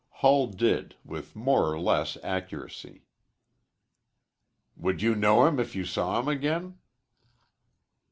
Hull did, with more or less accuracy. "Would you know him if you saw him again?"